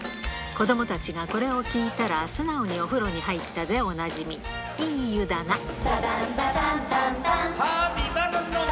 子どもたちがこれを聴いたら素直にお風呂に入ったでおなじみ、いい湯だな。